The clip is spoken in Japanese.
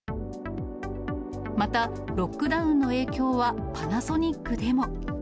また、ロックダウンの影響はパナソニックでも。